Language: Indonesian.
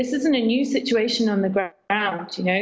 ini bukan situasi baru di atas tanah